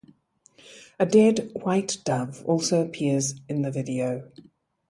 A dead white dove also appears in the video.